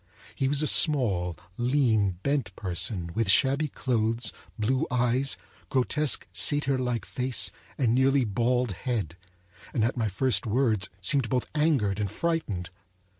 He was a small, lean, bent person, with shabby clothes, blue eyes, grotesque, satyrlike face, and nearly bald head; and at my first words seemed both angered and frightened.